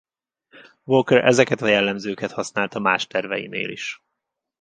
Walker ezeket a jellemzőket használta más terveinél is.